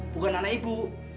bukan anak ibu